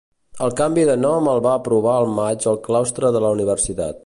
El canvi de nom el va aprovar al maig el claustre de la universitat.